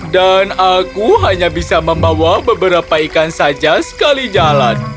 dan aku hanya bisa membawa beberapa ikan saja sekali jalan